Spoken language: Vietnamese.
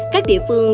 các địa phương